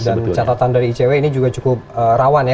dan catatan dari icw ini juga cukup rawan ya